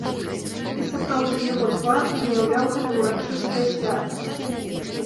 І сапраўды, яго твар выяўляў гэта ўрачыстае свята.